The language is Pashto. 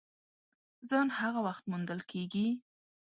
ځان هغه وخت موندل کېږي !